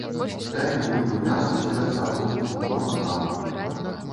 Дай ім бульбы, мяса, селядца, крупніку, малака.